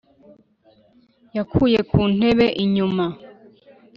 yakuye ku ntebe-inyuma,